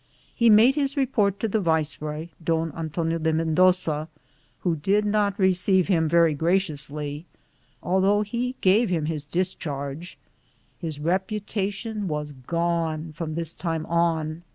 He made his re port to the viceroy, Don Antonio de Men doza, who did not receive him very gra ciously, although he gave him his discharge. His reputation was gone from this time on.